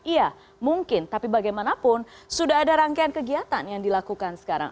iya mungkin tapi bagaimanapun sudah ada rangkaian kegiatan yang dilakukan sekarang